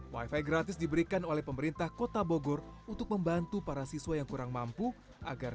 wifi gratis diberikan oleh pemerintah kota bogor untuk membantu para siswa yang kurang mampu agar